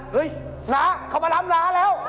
เห้ยหนาเขามาล้ำหนาแล้ว